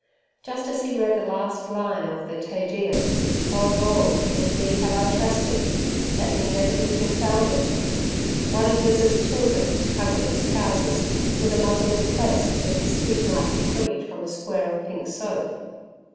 Just as he read the last line of the Te Deum, "Oh Lord in Thee have I trusted, let me never be confounded," one of Liz's children tugged at his trousers, with a muzzled request that his teeth might be freed from a square of pink soap.